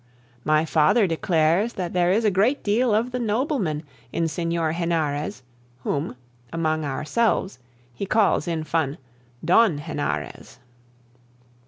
My father declares that there is a great deal of the nobleman in Senor Henarez, whom, among ourselves, he calls in fun Don Henarez.